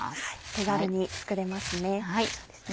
手軽に作れますね。